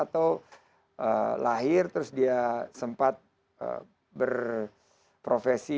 atau lahir terus dia sempat berprofesi